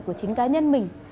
của chính cá nhân mình